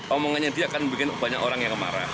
omongannya dia akan bikin banyak orang yang marah